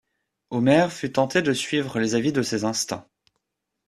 Omer fut tenté de suivre les avis de ses instincts.